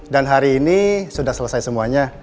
dan hari ini sudah selesai semuanya